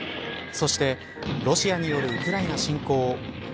そしてロシアによるウクライナ侵攻。